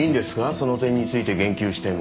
その点について言及しても。